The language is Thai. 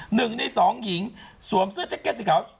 หนึ่งในสองหญิงสวมเสื้อแจ็คเก็ตสีขาว